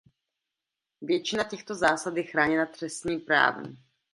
Většina těchto zásad je chráněná trestním právem.